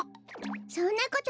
そんなことない！